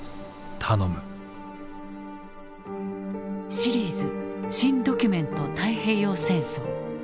シリーズ「新・ドキュメント太平洋戦争」。